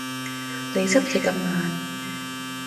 你執嘢咁慢